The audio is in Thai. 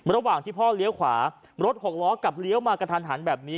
ระหว่างที่พ่อเลี้ยวขวารถหกล้อกลับเลี้ยวมากระทันหันแบบนี้